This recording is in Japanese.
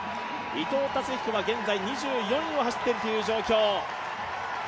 伊藤達彦は現在２４位を走っている状況。